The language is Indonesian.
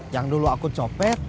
yang dulu aku copet